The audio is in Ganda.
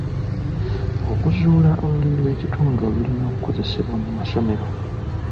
Okuzuula Olulimi lw'ekitundu olulina okukozesebwa mu masomero.